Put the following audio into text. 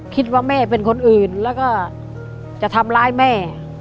คิดว่าแม่เป็นคนอื่นแล้วก็จะทำร้ายแม่